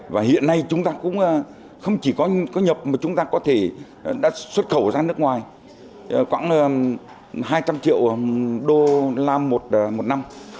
và hiện nay chúng ta cũng không chỉ có nhập mà chúng ta có thể đã xuất khẩu ra nước ngoài khoảng hai trăm linh triệu đô la một năm